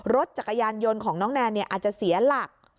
รถจักรยานยนต์ของน้องแนนอาจจะเสียหลัก